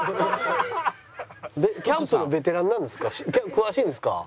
詳しいんですか？